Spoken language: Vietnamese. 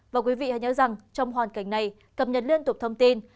và quý vị hãy nhớ rằng trong hoàn cảnh này cập nhật liên tục thông tin